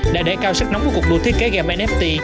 đóng một cuộc đua thiết kế game nft